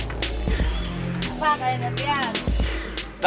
apa kalian berhati hati ya